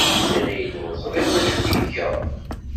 Iɣil ur ẓriɣ d acu ay iga.